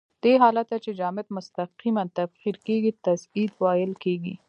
دې حالت ته چې جامد مستقیماً تبخیر کیږي تصعید ویل کیږي.